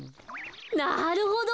なるほど！